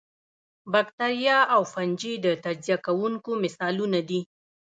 باکتریا او فنجي د تجزیه کوونکو مثالونه دي